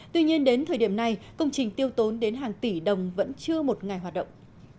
tuy nhiên đến thời điểm này công trình tiêu tốn đến hàng tỷ đồng vẫn chưa một ngày hoạt động